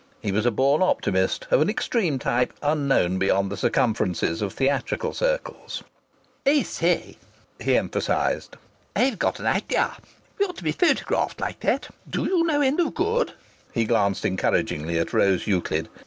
He was a born optimist, of an extreme type unknown beyond the circumferences of theatrical circles. "I say," he emphasized, "I've got an ideah. We ought to be photographed like that. Do you no end of good." He glanced encouragingly at Rose Euclid.